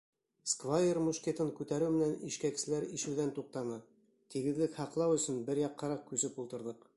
Сквайр мушкетын күтәреү менән ишкәкселәр ишеүҙән туҡтаны, тигеҙлек һаҡлау өсөн бер яҡҡараҡ күсеп ултырҙыҡ.